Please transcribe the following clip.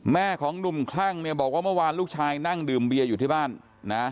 แม่ของหนุ่มคลั่งเนี่ยบอกว่าเมื่อวานลูกชายนั่งดื่มเบียร์อยู่ที่บ้านนะ